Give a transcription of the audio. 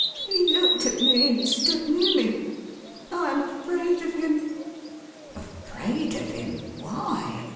He looked at me, and stood near me. I am afraid of him." " Afraid of him ! Why